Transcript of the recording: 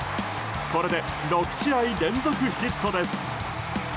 これで６試合連続ヒットです。